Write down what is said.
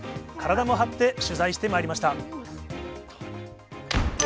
体も張って取材してまいりました。